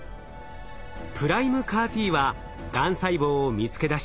ＰＲＩＭＥＣＡＲ−Ｔはがん細胞を見つけ出し